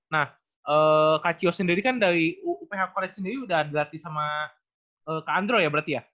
nah kak cio sendiri kan dari uph college sendiri udah hadirati sama kak andro ya berarti ya